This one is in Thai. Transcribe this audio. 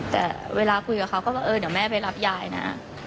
แต่เวลาคุยกับเขาก็ว่าเออเดี๋ยวแม่ไปรับยายนะ